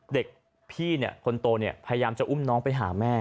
เด็กพี่คนโตพยามจะอุ้มไปหาแม่